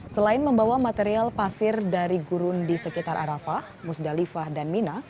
selain membawa material pasir dari gurun di sekitar arafah musdalifah dan mina